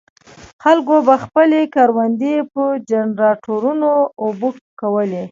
خلکو به خپلې کروندې په جنراټورونو اوبه کولې.